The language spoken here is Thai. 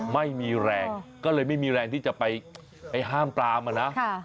ไม่มีแรงก็เลยไม่มีแรงที่จะไปห้ามปรามอ่ะนะ